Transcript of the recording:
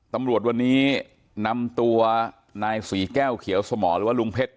ตำรวจวันนี้นำตัวนายศรีแก้วเขียวสมอหรือว่าลุงเพชร